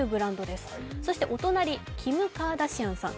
そして、お隣キム・カーダシアンさん